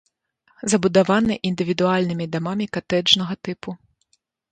Забудаваны індывідуальнымі дамамі катэджнага тыпу.